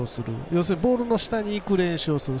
要するにボールの下にいく練習をする。